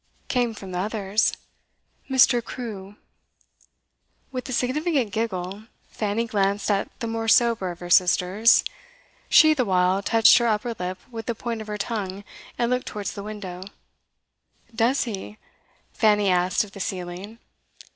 came from the others. 'Mr. Crewe.' With a significant giggle, Fanny glanced at the more sober of her sisters; she, the while, touched her upper lip with the point of her tongue, and looked towards the window. 'Does he?' Fanny asked of the ceiling.